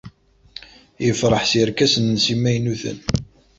Yefṛeḥ s yerkasen-nnes imaynuten.